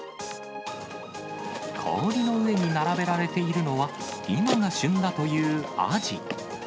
氷の上に並べられているのは、今が旬だというアジ。